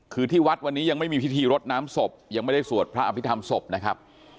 คือที่วัดวันนี้ยังไม่มีพิธีรดน้ำศพยังไม่ได้สวดพระอภิษฐรรมศพนะครับ